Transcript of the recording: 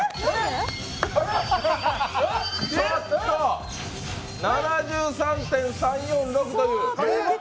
ちょっと！７３．３４６という。